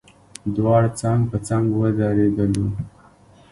دواړه څنګ په څنګ ودرېدلو.